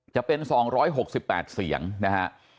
จะเป็น๒๖๘เสียงนะฮะ